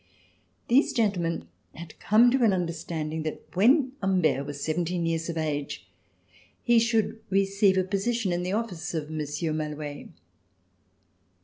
These gentlemen had come to an under standing that when Humbert was seventeen years of age he should receive a position in the office of Monsieur Malouet.